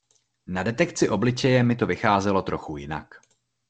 Na detekci obličeje mi to vycházelo trochu jinak.